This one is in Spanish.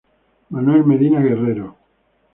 Manuel Medina Guerrero.